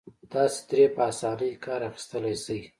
تاسې ترې په اسانۍ کار اخيستلای شئ.